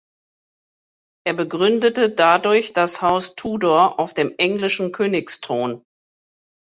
Er begründete dadurch das Haus Tudor auf dem englischen Königsthron.